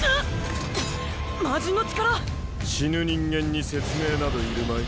死ぬ人間に説明などいるまい？